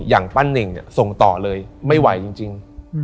อย่างปั้นเน่งเนี่ยส่งต่อเลยไม่ไหวจริง